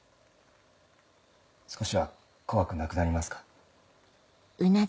少しは怖くなくなりますか？